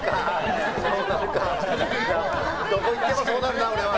どこいってもそうなるな俺は。